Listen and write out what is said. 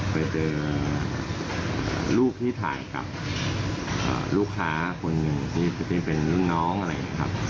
ไปเจอรูปที่ถ่ายกับลูกค้าคนหนึ่งที่เป็นรุ่นน้องอะไรอย่างนี้ครับ